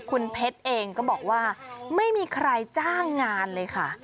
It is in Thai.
คุณเพชรเองก็บอกว่าไม่มีใครจ้างงานเลยค่ะ